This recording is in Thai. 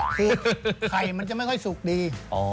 คือไข่มันจะไม่ค่อยสุกดี